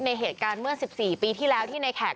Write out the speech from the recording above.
ในเหตุการณ์เมื่อ๑๔ปีที่แล้วที่ในแขก